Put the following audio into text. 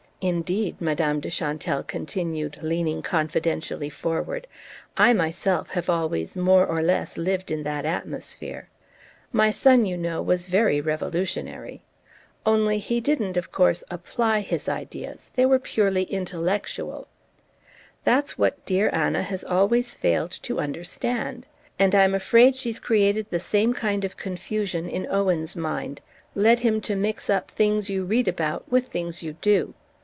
Indeed," Madame de Chantelle continued, leaning confidentially forward, "I myself have always more or less lived in that atmosphere: my son, you know, was very revolutionary. Only he didn't, of course, apply his ideas: they were purely intellectual. That's what dear Anna has always failed to understand. And I'm afraid she's created the same kind of confusion in Owen's mind led him to mix up things you read about with things you do...